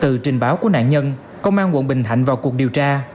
từ trình báo của nạn nhân công an quận bình thạnh vào cuộc điều tra